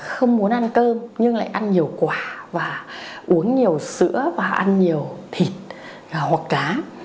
không muốn ăn cơm nhưng lại ăn nhiều quả và uống nhiều sữa và ăn nhiều thịt hoặc cá